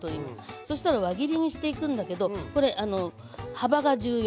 そしたら輪切りにしていくんだけどこれ幅が重要。